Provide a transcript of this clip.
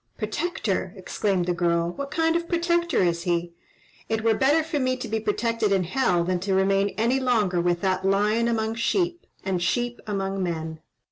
"Protector!" exclaimed the girl. "What kind of a protector is he? It were better for me to be protected in hell than to remain any longer with that lion among sheep, and sheep among men!